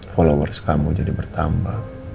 followers kamu jadi bertambah